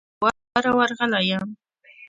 زه څو واره ور رغلى يم.